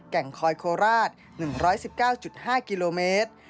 แก่งคอยโคราช๑๑๙๕กิโลเมตร